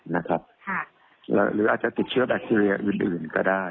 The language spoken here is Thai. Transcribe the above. ว่าจะติดเชื้อแบคเทียร์อื่นก็ได้